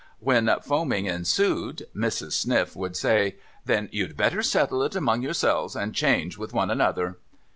When foaming ensued, Mrs. Sniff would say :' Then you'd better settle it among your selves, and change with one another.'